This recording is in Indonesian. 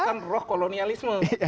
yang kerasikan roh kolonialisme